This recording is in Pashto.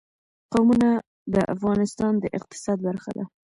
قومونه د افغانستان د اقتصاد برخه ده.